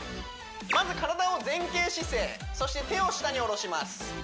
まず体を前傾姿勢そして手を下に下ろします